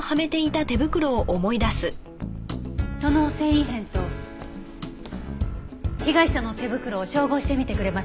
その繊維片と被害者の手袋を照合してみてくれませんか？